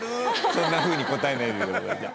そんなふうに答えないで。